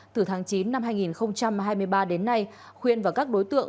từ tháng chín năm hai nghìn hai mươi ba đến nay khuyên và các đối tượng